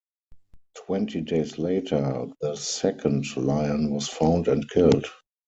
Twenty days later, the second lion was found and killed.